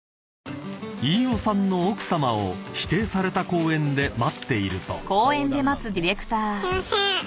［飯尾さんの奥さまを指定された公園で待っていると］